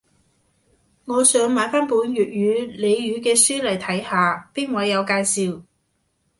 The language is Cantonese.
我想買返本粵語俚語嘅書嚟睇下，邊位有介紹